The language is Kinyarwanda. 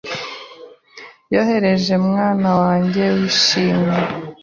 yoroheje mwana wanjye wishimye